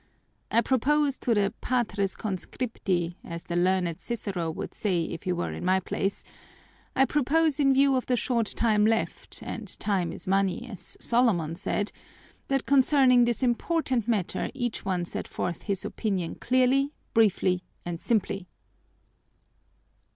I propose to the Patres Conscripti, as the learned Cicero would say if he were in my place, I propose, in view of the short time left, and time is money as Solomon said, that concerning this important matter each one set forth his opinion clearly, briefly, and simply."